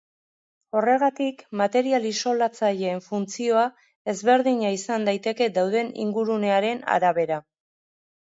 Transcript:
Horregatik, material isolatzaileen funtzioa ezberdina izan daiteke dauden ingurunearen arabera.